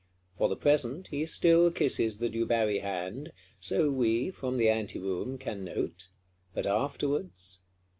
For the present, he still kisses the Dubarry hand; so we, from the ante room, can note: but afterwards?